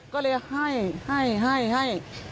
ก็เลยให้ให้ให้ให้